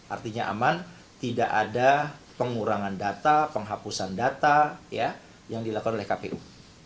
artinya aman tidak ada pengurangan data penghapusan data yang dilakukan oleh kpu